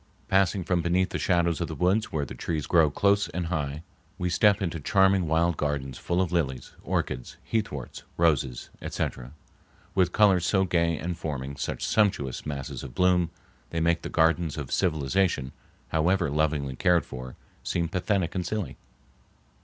Passing from beneath the shadows of the woods where the trees grow close and high, we step into charming wild gardens full of lilies, orchids, heathworts, roses, etc., with colors so gay and forming such sumptuous masses of bloom, they make the gardens of civilization, however lovingly cared for, seem pathetic and silly.